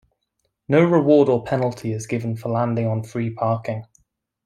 No reward or penalty is given for landing on Free Parking.